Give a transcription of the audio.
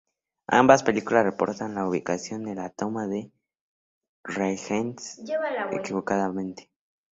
Ambas películas reportaron la ubicación de la toma de rehenes equivocadamente.